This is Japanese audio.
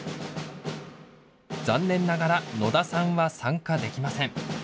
残念ながら野田さんは参加できません。